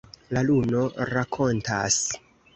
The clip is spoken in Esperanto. La luno rakontas.